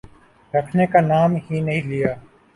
رکنے کا نام ہی نہیں لیا۔